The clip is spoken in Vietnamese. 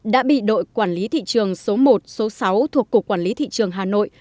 đã bị đội quản lý thị trường số một số sáu thuộc cục quản lý thị trường hà nội